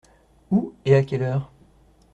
Où, et à quelle heure ?